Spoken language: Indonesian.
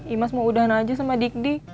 imas mau udahan aja sama dik dik